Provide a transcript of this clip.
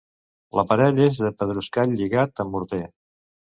L'aparell és de pedruscall lligat amb morter.